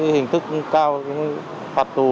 hình thức cao hoạt tù